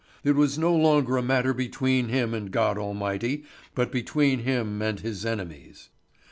It was no longer a matter between him and God Almighty, but between him and his enemies.